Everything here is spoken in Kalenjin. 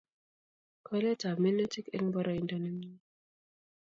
koletap minutik eng boroindo nemie